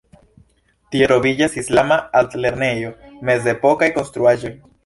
Tie troviĝas islama altlernejo, mezepokaj konstruaĵoj.